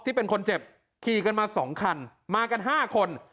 ที่เป็นคนเจ็บขี่กันมา๒คันมากัน๕คน